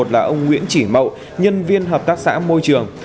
là ông nguyễn chỉ mậu nhân viên hợp tác xã môi trường